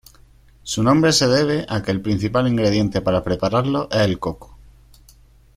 Su nombre se debe a que el principal ingrediente para prepararlo es el coco.